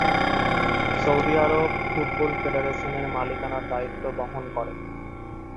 Saudi আরব football federation এর মালিকানার দায়িত্ব বহন করে।